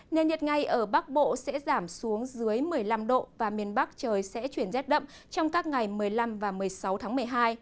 nền nhiệt ngay ở bắc bộ sẽ giảm xuống dưới một mươi năm độ và miền bắc trời sẽ chuyển rét đậm trong các ngày một mươi năm và một mươi sáu tháng một mươi hai